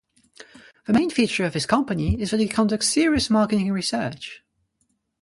The main feature of this company is that it conducts serious marketing research.